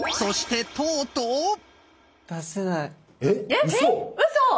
えっうそ